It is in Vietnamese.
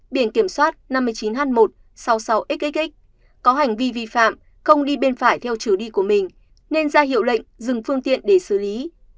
biển kiểm soát năm mươi chín h một sáu mươi sáu xxx có hành vi vi phạm không đi bên phải theo chiều đi của mình nên ra hiệu lệnh dừng phương tiện để xử lý